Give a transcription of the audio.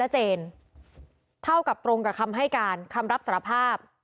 เท่ากับตรงกับคำให้การคำรับสารภาพ